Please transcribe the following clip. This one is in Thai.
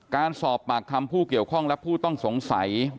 การสอบปากคำผู้เกี่ยวข้องและผู้ต้องสงสัย